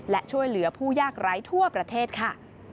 และช่วยเหลือผู้ยากไร้ทั่วประเทศค่ะ